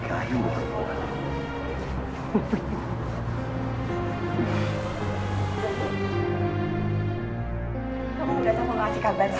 kamu udah tau gak ada kabar sih